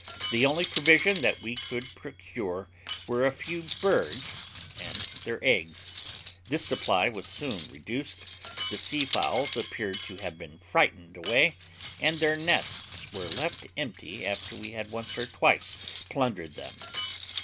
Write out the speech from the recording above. The only provision that we could procure were a few birds and their eggs: this supply was soon reduced; the sea fowls appeared to have been frightened away, and their nests were left empty after we had once or twice plundered them.